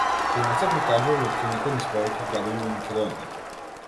Филмот се прикажува во кината низ повеќе градови во Македонија.